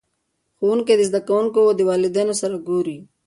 ښوونکي د زده کوونکو د والدینو سره ګوري.